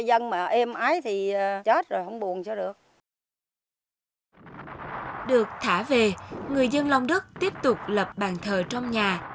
được thả về người dân long đức tiếp tục lập bàn thờ trong nhà